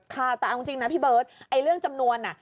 ค่ะแต่เอาจริงนะพี่เบิร์ตไอ้เรื่องจำนวนน่ะ